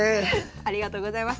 ありがとうございます。